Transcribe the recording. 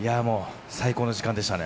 最高の時間でしたね。